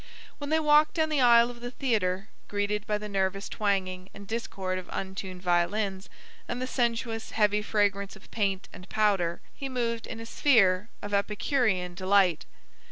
When they walked down the aisle of the theatre, greeted by the nervous twanging and discord of untuned violins and the sensuous, heavy fragrance of paint and powder, he moved in a sphere of epicurean delight.